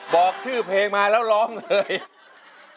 บอกชื่อเพลงมาแล้วร้องเลย